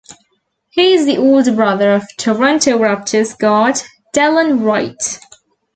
He is the older brother of Toronto Raptors guard Delon Wright.